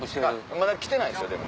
まだ来てないですよでも。